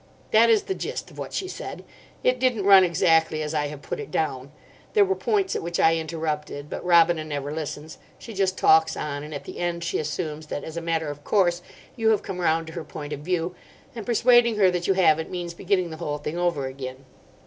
That is the gist of what she said. It didn't run exactly as I have put it down. There were points at which I interrupted, but Robina never listens; she just talks on, and at the end she assumes that, as a matter of course, you have come round to her point of view, and persuading her that you haven't means beginning the whole thing over again.